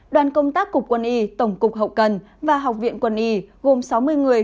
đoàn công tác cục quân y tổng cục hậu cần và học viện quân y gồm sáu mươi người